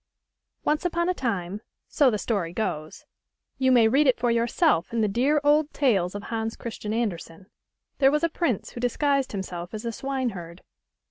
ONCE upon a time, so the story goes (you may read it for yourself in the dear old tales of Hans Christian Andersen), there was a prince who dis guised himself as a swineherd.